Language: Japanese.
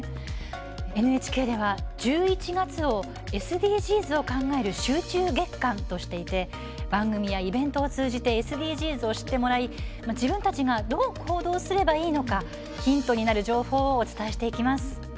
ＮＨＫでは、１１月をＳＤＧｓを考える集中月間としていて番組やイベントを通じてＳＤＧｓを知ってもらい自分たちがどう行動すればいいのか、ヒントになる情報をお伝えしていきます。